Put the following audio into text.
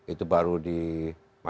itu baru di masing masing kelompok